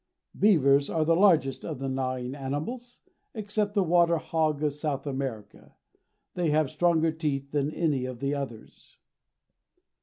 Beavers are the largest of the gnawing animals, except the water hog of South America. They have stronger teeth than any of the others.